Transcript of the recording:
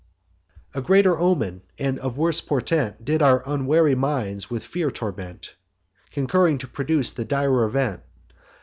"A greater omen, and of worse portent, Did our unwary minds with fear torment, Concurring to produce the dire event.